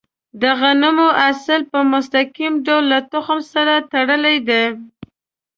د غنمو حاصل په مستقیم ډول له تخم سره تړلی دی.